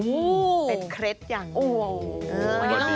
โอ้โฮเป็ดเคร็ดอย่างนี้